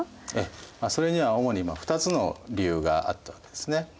それには主に２つの理由があったわけですね。